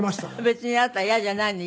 別にあなた嫌じゃないの？